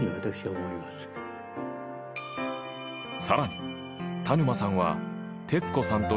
［さらに田沼さんは］